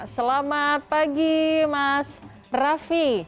selamat pagi mas rafi